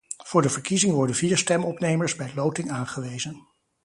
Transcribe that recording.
Voor de verkiezing worden vier stemopnemers bij loting aangewezen.